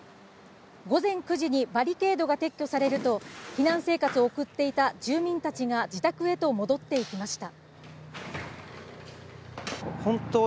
午前９時にバリケードが撤去されると、避難生活を送っていた住民たちが自宅へと戻っていきました。